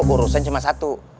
urusan cuma satu